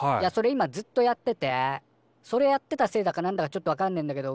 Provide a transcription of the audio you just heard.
今ずっとやっててそれやってたせいだかなんだかちょっとわかんねえんだけど